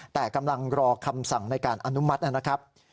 แต่กำลังรอคำสั่งในการอนุมัตินะครับ